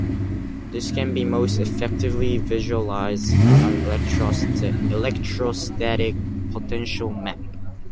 This can be most effectively visualized in an electrostatic potential map.